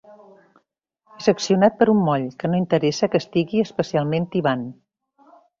És accionat per un moll, que no interessa que estigui especialment tibant.